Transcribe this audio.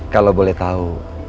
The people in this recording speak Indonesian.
kalau boleh tahu